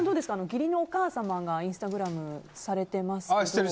義理のお母様がインスタグラムをされてますけど。